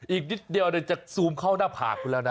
อีกนิดเดียวจะซูมเข้าหน้าผากคุณแล้วนะ